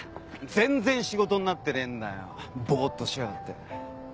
全然仕事になってねえんだよぼっとしやがって。